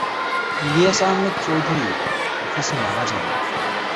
ইলিয়াস আহমেদ চৌধুরী অফিসে মারা যান।